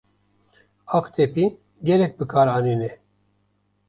Aqtepî gelek bi kar anîne.